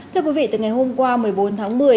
thưa quý vị từ ngày hôm qua một mươi bốn tháng một mươi